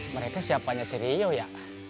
mereka siapanya serius ya